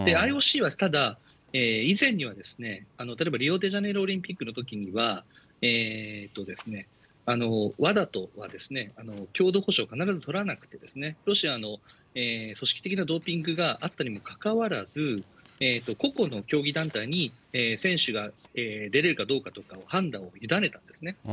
ＩＯＣはただ、以前には、例えばリオデジャネイロオリンピックのときには、ＷＡＤＡとは共同歩調を必ず取らなくてですね、ロシアの組織的なドーピングがあったにもかかわらず、個々の競技団体に選手が出れるかどうかとかを判断をゆだねたんですね。